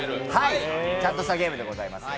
ちゃんとしたゲームでございます。